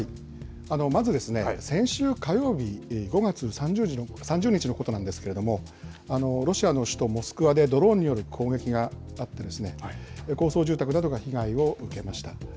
まずですね、先週火曜日、５月３０日のことなんですけど、ロシアの首都モスクワでドローンによる攻撃があって、高層住宅などが被害を受けました。